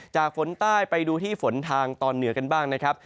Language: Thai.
ฝนใต้ไปดูที่ฝนทางตอนเหนือกันบ้างนะครับ